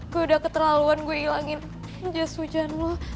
gue udah keterlaluan gue ilangin jas hujan lo